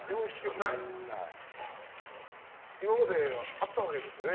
今まで、あったわけですよね。